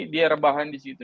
dia rebahan di situ